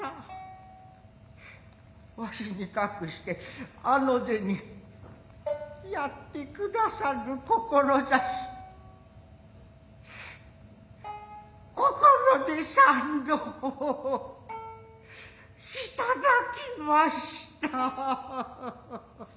わしに隠してあの銭やって下さる志心で三度いただきました。